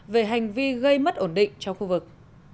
về hành vi gây mất ổn định trong khu vực